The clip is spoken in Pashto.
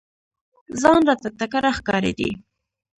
ځان راته تکړه ښکارېدی !